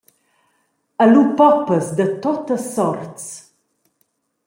E lu poppas da tuttas sorts.